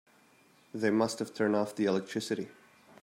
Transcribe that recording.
They must have turned off the electricity.